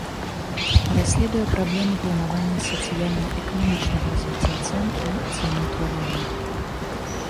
Даследуе праблемы планавання сацыяльна-эканамічнага развіцця, цэн і цэнаўтварэння.